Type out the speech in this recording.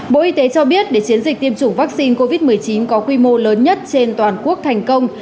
bộ y tế cho biết để chiến dịch tiêm chủng vaccine covid một mươi chín có quy mô lớn nhất trên toàn quốc thành công